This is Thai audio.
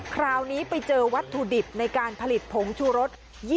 คราวนี้ไปเจอวัตถุดิบในการผลิตผงชูรส